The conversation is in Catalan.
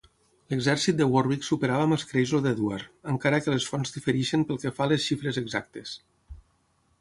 L'exèrcit de Warwick superava amb escreix el d'Edward, encara que les fonts difereixen pel que fa a les xifres exactes.